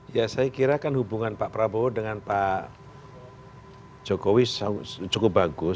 ya saya kira kan hubungan pak prabowo dengan pak jokowi cukup bagus